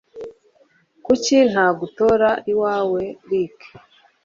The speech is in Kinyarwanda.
Kuki ntagutora iwawe rik